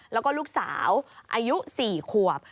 แล้วก็ลูกสาวอายุ๔ขวบ